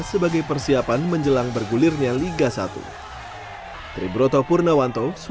sebagai persiapan menjelang bergulirnya liga satu